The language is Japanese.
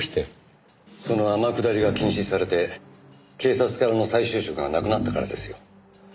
その天下りが禁止されて警察からの再就職がなくなったからですよ。